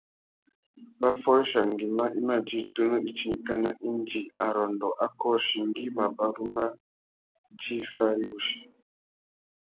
Mbaffôréchia nguimá i mà djï tunu itindikana indi arrôndô a kôchi ngüi mabarú mà djï fari wussi.